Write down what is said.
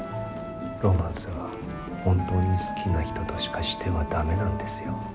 ロマンスは本当に好きな人としかしては駄目なんですよ。